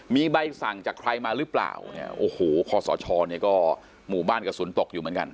มีใบสั่งจากใครมาหรือเปล่าเนี่ยโอ้โหคอสชเนี่ยก็หมู่บ้านกระสุนตกอยู่เหมือนกัน